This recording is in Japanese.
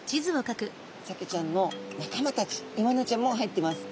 サケちゃんの仲間たちイワナちゃんも入ってます。